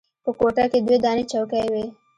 په کوټه کښې دوې دانې چوکۍ وې.